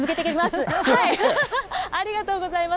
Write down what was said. ありがとうございます。